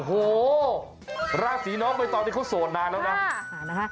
โอ้โหราศีน้องใบตองนี่เขาโสดนานแล้วนะ